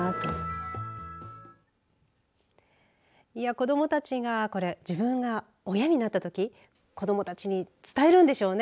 子どもたちがこれ自分が親になったとき子どもたちに伝えるんでしょうね